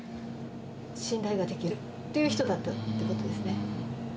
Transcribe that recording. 信頼ができるっていう人だったということですね。